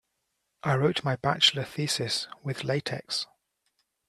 I wrote my bachelor thesis with latex.